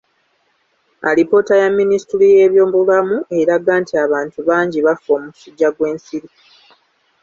Alipoota ya minisitule y'ebyobulamu eraga nti abantu bangi bafa omusujja gw'ensiri.